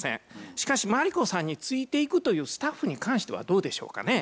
しかしマリコさんについていくというスタッフに関してはどうでしょうかね。